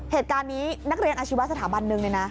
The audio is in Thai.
เหตุการณ์นี้นักเรียนอาชีวะสถาบันหนึ่งเนี่ยนะ